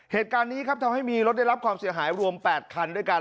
เหตุการณ์นี้ครับทำให้มีรถได้รับความเสียหายรวม๘คันด้วยกัน